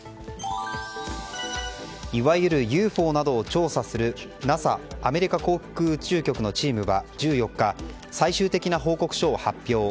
いわゆるＵＦＯなどを調査するＮＡＳＡ・アメリカ航空宇宙局のチームは１４日最終的な報告書を発表。